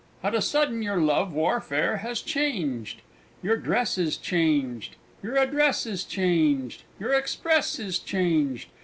at a sudden your love warfare is changed! Your dress is changed! Your address is changed! Your express is changed!